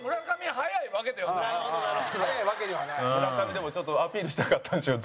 村上でもちょっとアピールしたかったんでしょうね。